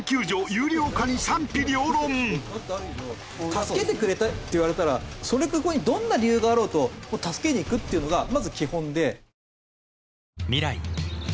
助けてくれって言われたらどんな理由があろうと助けに行くっていうのがまず基本で。